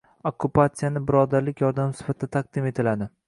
okkupatsiyani – birodarlik yordami sifatida taqdim etiladi.